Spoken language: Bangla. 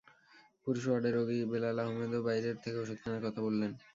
পুরুষ ওয়ার্ডের রোগী বেলাল আহমেদও বাইরে থেকে ওষুধ কেনার কথা বললেন।